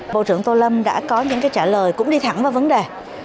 bộ trưởng tô lâm đã có những cái trả lời cũng đi thẳng vào vấn đề